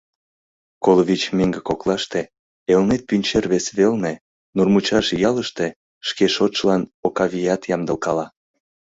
Коло вич меҥге коклаште, Элнет пӱнчер вес велне, Нурмучаш ялыште шке шотшылан Окавият ямдылкала.